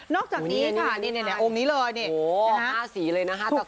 นอกจากนี้ค่ะเนี่ยองค์นี้เลยเนี่ย๕สีเลยนะ๕ตระกูลค่ะ